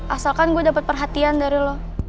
asalkan gue dapat perhatian dari lo